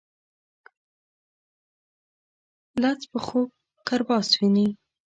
لڅ په خوب کرباس ويني.